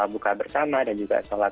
buka bersama dan juga sholat